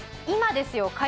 今ですよ